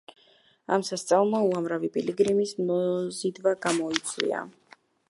ამ სასწაულმა უამრავი პილიგრიმის მოზიდვა გამოიწვია.